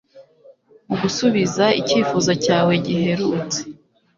Mu gusubiza icyifuzo cyawe giherutse